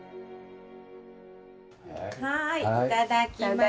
はいいただきます！